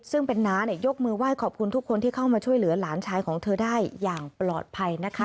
ซึ่งเป็นน้าเนี่ยยกมือไหว้ขอบคุณทุกคนที่เข้ามาช่วยเหลือหลานชายของเธอได้อย่างปลอดภัยนะคะ